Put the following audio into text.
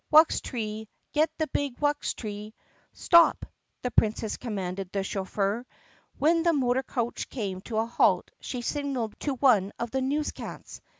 Wuxtree! Get the big wuxtree !" "Stop!" the Princess commanded the chauffeur. When the motor coach came to a halt she signaled to one of the newscats.